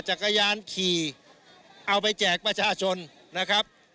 จักรยานขี่เอาไปแจกประชาชนนะครับ